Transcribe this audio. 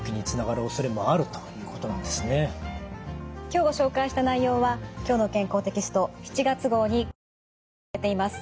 今日ご紹介した内容は「きょうの健康」テキスト７月号に詳しく掲載されています。